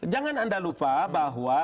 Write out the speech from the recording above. jangan anda lupa bahwa